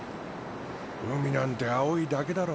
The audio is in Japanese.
海なんて青いだけだろ。